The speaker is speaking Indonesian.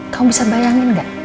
kamu bisa bayangkan tidak